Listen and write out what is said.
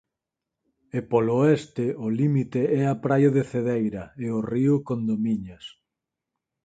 E polo oeste o límite e a praia de Cedeira e o río Condomiñas.